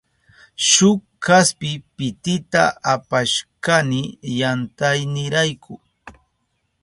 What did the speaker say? Shuk kaspi pitita apashkani yantaynirayku.